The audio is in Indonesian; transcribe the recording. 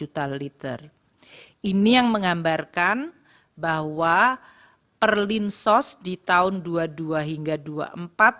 sembilan belas juta liter ini yang mengambarkan bahwa perlinsos di tahun dua ribu dua puluh dua hingga dua ribu dua puluh empat